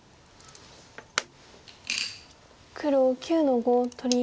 黒９の五取り。